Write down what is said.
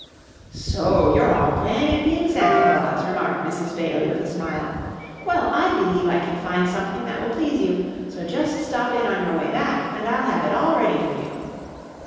_" "So you're all playing at being Santa Claus," remarked Mrs. Bailey with a smile. "Well, I believe I can find something that will please you, so just stop in on your way back and I'll have it all ready for you."